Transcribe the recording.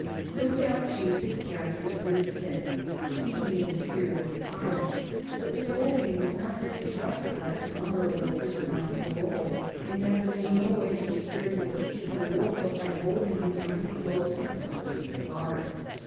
No doubt, too, his captors would have said, speaking in the spirit of the times, that Napoleon was not to be trusted like an honorable prisoner on parole, and that there was no way of securing the peace of the world but by holding him under close and constant guard.